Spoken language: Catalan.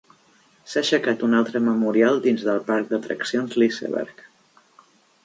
S"ha aixecat un altre memorial dins del parc d"atraccions Liseberg.